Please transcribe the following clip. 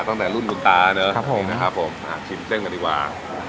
ตั้งแต่รุ่นคุณตานะครับผมนะครับผมชิมเส้นกันดีกว่า